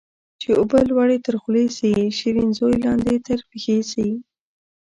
چي اوبه لوړي تر خولې سي ، شيرين زوى لاندي تر پښي سي